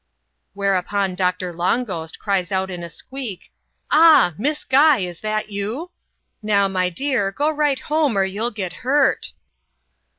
Whereupon Doctor Long Ghost cries out in a squeak, " Ah ! Miss Guy, is that you? Now, my dear, go right home, or you'll get hurt."